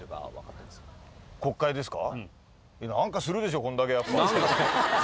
国会ですか？